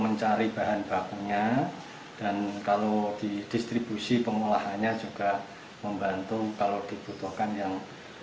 mencari bahan bakunya dan kalau di distribusi pengolahannya juga membantu kalau dibutuhkan yang